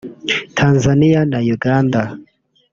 Tanzaniya na Uganda